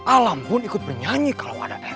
alam pun ikut bernyanyi kalau ada er